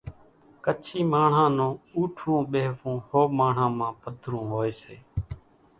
ڪڇِي ماڻۿان نون اوٺوون ٻيۿوون ۿو ماڻۿان پڌرون هوئيَ سي۔